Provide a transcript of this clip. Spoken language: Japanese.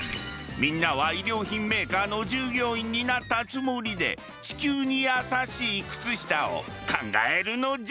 みんなは衣料品メーカーの従業員になったつもりで地球にやさしい靴下を考えるのじゃ！